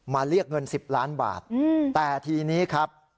มาเรียกเงินสิบล้านบาทอืมแต่ทีนี้ครับ